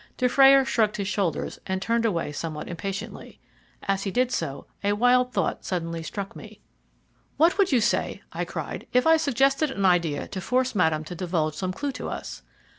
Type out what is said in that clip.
Dufrayer shrugged his shoulders and turned away somewhat impatiently. As he did so a wild thought suddenly struck me. "What would you say," I cried, "if I suggested an idea to force Madame to divulge some clue to us?"